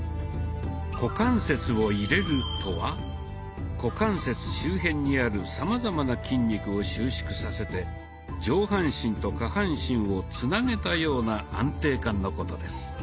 「股関節を入れる」とは股関節周辺にあるさまざまな筋肉を収縮させて上半身と下半身をつなげたような安定感のことです。